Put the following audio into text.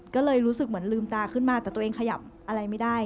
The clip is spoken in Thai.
ก็เลยรู้สึกเหมือนลืมตาขึ้นมาแต่ตัวเองขยับอะไรไม่ได้